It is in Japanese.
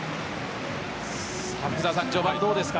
序盤、どうですか？